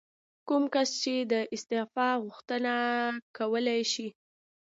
کوم کس د استعفا غوښتنه کولی شي؟